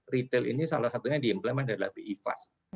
retail ini salah satunya diimplement adalah bi fast